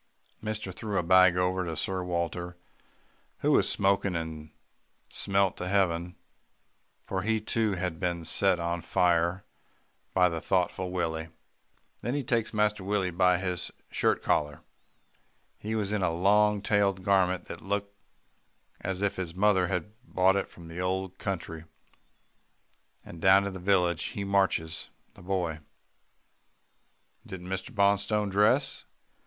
"Mister threw a bag over Sir Walter, who was smoking and smelt to heaven, for he too had been set on fire by the thoughtful Willie. Then he takes Master Willie by his shirt collar he was in a long tailed garment that looked as if his mother had brought it from the old country, and down to the village, he marches the boy." "Didn't Mr. Bonstone dress?"